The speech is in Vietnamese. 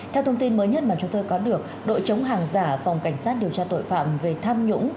theo thông tin mới nhất mà chúng tôi có được đội chống hàng giả phòng cảnh sát điều tra tội phạm về tham nhũng